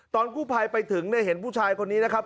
ตอนกู้ภัยไปถึงเนี่ยเห็นผู้ชายคนนี้นะครับ